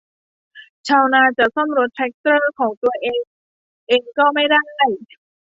ชาวนาจะซ่อมรถแทรกเตอร์ของตัวเองเองก็ไม่ได้